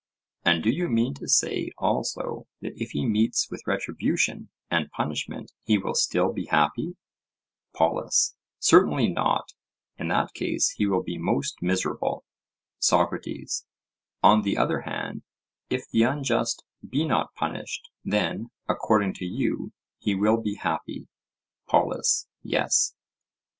And do you mean to say also that if he meets with retribution and punishment he will still be happy? POLUS: Certainly not; in that case he will be most miserable. SOCRATES: On the other hand, if the unjust be not punished, then, according to you, he will be happy? POLUS: Yes.